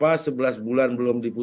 dan juga dianggap sebagai perempuan